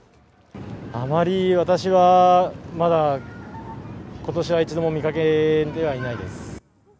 あまり私は、まだことしは一度も見かけてはいないです。